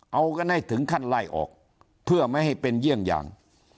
เอากันให้ถึงขั้นไล่ออกเพื่อไม่ให้เป็นเยี่ยงอย่าง